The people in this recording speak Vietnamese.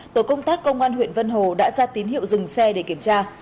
tổ công tác công an huyện vân hồ đã ra tín hiệu dừng xe để kiểm tra